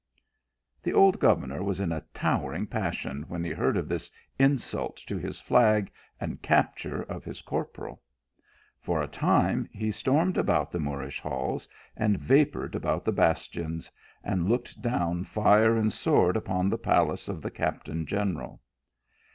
The old governor was in a towering passion, when he heard of this insult to his flag and capture of his corporal. For a time he stormed about the Moorish halls, and vapoured about the bastions, and looked down fire and sword upon the palace of the captain general.